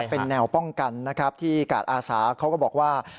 เป็นแนวป้องกันที่กาลอาสาบูรณ์เขาก็บอกว่า